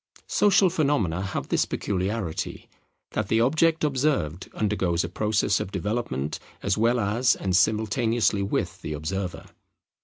Social phenomena have this peculiarity, that the object observed undergoes a process of development as well as and simultaneously with the observer.